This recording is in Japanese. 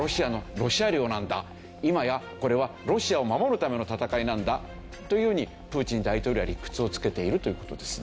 今やこれはロシアを守るための戦いなんだというふうにプーチン大統領は理屈をつけているという事ですね。